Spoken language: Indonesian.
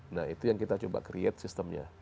nah itu yang kita coba create sistemnya